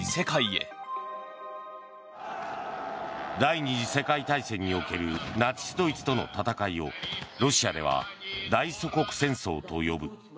第２次世界大戦におけるナチスドイツとの戦いをロシアでは、大祖国戦争と呼ぶ。